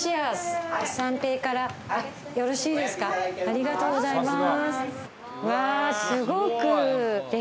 ありがとうございます。